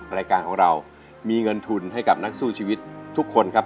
รายการของเรามีเงินทุนให้กับนักสู้ชีวิตทุกคนครับ